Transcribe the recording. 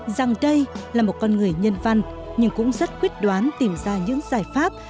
rằng đây là một con người nhân văn nhưng cũng rất quyết đoán tìm ra những giải pháp